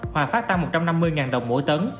hoà pháp tăng một trăm năm mươi đồng mỗi tấn